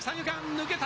抜けた！